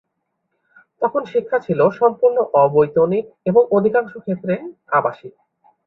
তখন শিক্ষা ছিল সম্পূর্ণ অবৈতনিক এবং অধিকাংশ ক্ষেত্রে আবাসিক।